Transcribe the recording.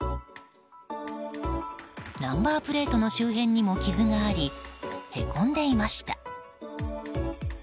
ナンバープレートの周辺にも傷があり、へこんでいました。